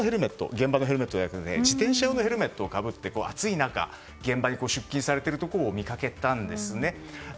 現場のヘルメットじゃなくて自転車用のヘルメットをかぶっていて暑い中、現場に出勤されているところを見かけたんです。